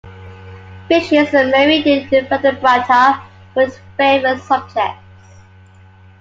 Fishes and marine invertebrata were his favorite subjects.